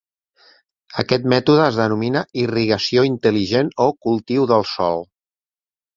Aquest mètode es denomina "irrigació intel·ligent" o "cultiu del sòl".